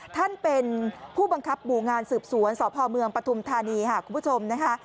ท่านเป็นผู้บังคับหมู่งานสืบสวนสพเมืองปฐุมธานีค่ะคุณผู้ชมนะคะ